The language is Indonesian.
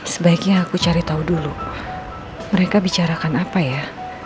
sebaiknya aku cari tahu dulu mereka bicarakan apa ya